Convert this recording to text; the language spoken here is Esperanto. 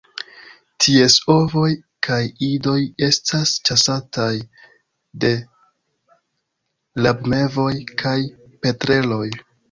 Ties ovoj kaj idoj estas ĉasataj de rabmevoj kaj petreloj.